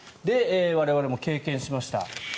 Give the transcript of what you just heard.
我々も経験しました。